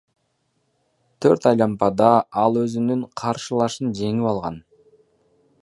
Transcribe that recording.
Төрт айлампада ал өзүнүн каршылашын жеңип алган.